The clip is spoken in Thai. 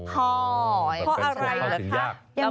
เพราะอะไรหรือคะ